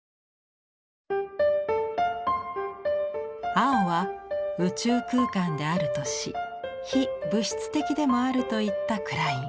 青は宇宙空間であるとし非物質的でもあると言ったクライン。